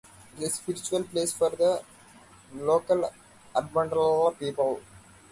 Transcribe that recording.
It is a spiritual place for the local Aboriginal people.